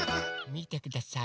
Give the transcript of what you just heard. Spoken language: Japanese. みてください。